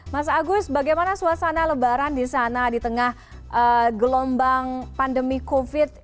mas agus bagaimana suasana lebaran di tengah gelombang pandemi covid sembilan belas